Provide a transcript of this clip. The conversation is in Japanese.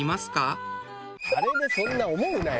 「あれでそんな思うなよ！